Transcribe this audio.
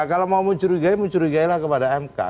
kalau mau mencurigai mencurigailah kepada mk